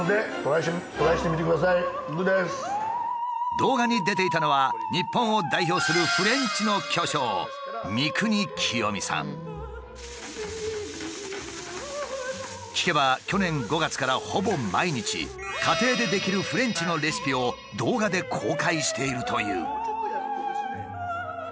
動画に出ていたのは日本を代表するフレンチの巨匠聞けば去年５月からほぼ毎日家庭でできるフレンチのレシピを動画で公開しているという。